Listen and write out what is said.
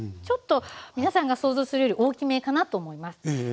ちょっと皆さんが想像するより大きめかなと思います。